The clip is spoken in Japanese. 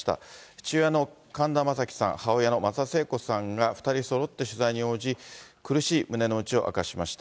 父親の神田正輝さん、母親の松田聖子さんが、２人そろって取材に応じ、苦しい胸の内を明かしました。